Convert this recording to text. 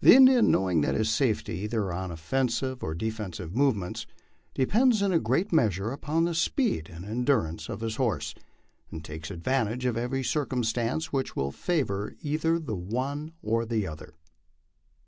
The Indian, knowing that his safety either on offensive or defensive movements depends in a great measure upon the speed and endur ance of his horse, takes advantage of every circumstance which will favor either the one or the other.